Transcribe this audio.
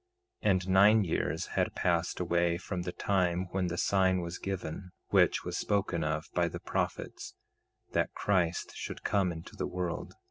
2:7 And nine years had passed away from the time when the sign was given, which was spoken of by the prophets, that Christ should come into the world.